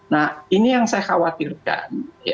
nah ini yang saya khawatirkan